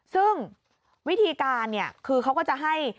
ซึ่งวิธีการคือเขาก็จะให้